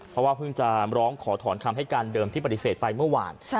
เพราะว่าเพิ่งจะร้องขอถอนคำให้การเดิมที่ปฏิเสธไปเมื่อวาน